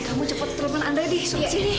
kamu cepet ke teman andre di sursi nih